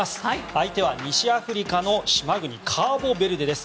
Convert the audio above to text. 相手は西アフリカの島国のカーボベルデです。